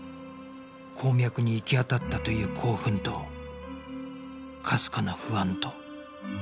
鉱脈に行き当たったという興奮とかすかな不安と